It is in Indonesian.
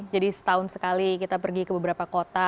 jadi setahun sekali kita pergi ke beberapa kota